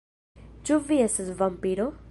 Ĉu vi estas vampiro?